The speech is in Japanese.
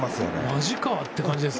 まじかって感じで。